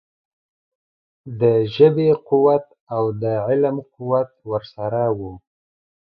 د ژبې قوت او د علم قوت ورسره وو.